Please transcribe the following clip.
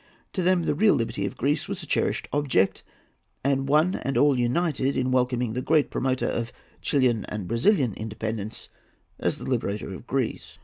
To them the real liberty of Greece was a cherished object; and one and all united in welcoming the great promoter of Chilian and Brazilian independence as the liberator of Greece.